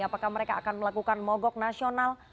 apakah mereka akan melakukan mogok nasional